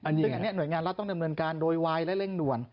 ซึ่งอันนี้หน่วยงานรัฐต้องดำเนินการโดยวายและเร่งด่วน